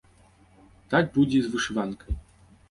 Так будзе і з вышыванкай.